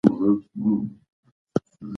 ایا په دې سیمه کې د واکسین کمپاین شته؟